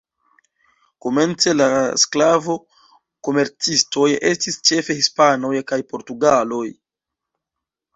Komence la sklavo-komercistoj estis ĉefe hispanoj kaj portugaloj.